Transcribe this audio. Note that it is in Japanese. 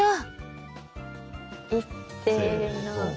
いっせの。